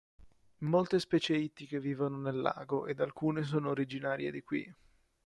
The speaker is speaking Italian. Molte specie ittiche vivono nel lago, ed alcune sono originarie di qui.